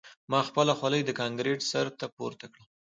ما خپله خولۍ د کانکریټ سر ته پورته کړه